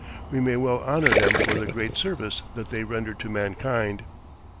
We may well honor them for the great service that they rendered to mankind.